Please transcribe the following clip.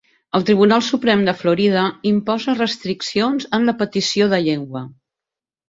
El Tribunal Suprem de Florida imposa restriccions en la petició de llengua.